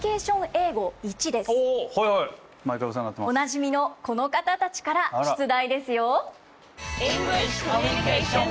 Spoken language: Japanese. おなじみのこの方たちから出題ですよ。